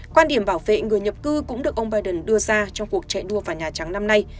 quan điểm bảo vệ người nhập cư cũng được ông biden đưa ra trong cuộc chạy đua vào nhà trắng năm nay